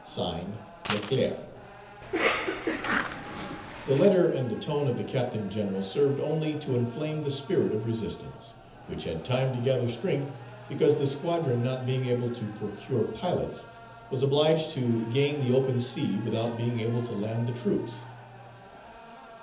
(Signed) "LECLERC." The letter, and the tone of the Captain General served only to inflame the spirit of resistance, which had time to gather strength, because the squadron, not being able to procure pilots, was obliged to gain the open sea without being able to land the troops.